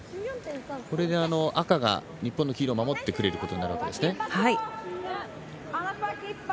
これで赤が日本の黄色を守ってくれることになるわけですね。